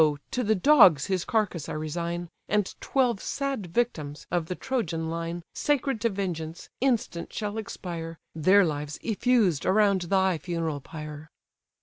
to the dogs his carcase I resign; And twelve sad victims, of the Trojan line, Sacred to vengeance, instant shall expire; Their lives effused around thy funeral pyre."